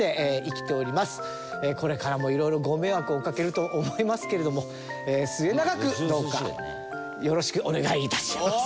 これからもいろいろご迷惑をかけると思いますけれども末永くどうかよろしくお願いいたします。